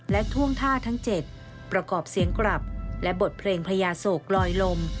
และท่วงท่าทั้ง๗ประกอบเสียงกลับและบทเพลงพญาโศกลอยลม